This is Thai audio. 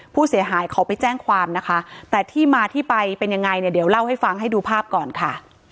ผู้เสียหายเขาไปแจ้งความนะคะแต่ที่มาที่ไปเป็นยังไงเนี่ยเดี๋ยวเล่าให้ฟังให้ดูภาพก่อนค่ะ